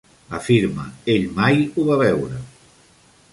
Afirma, Ell mai ho va veure.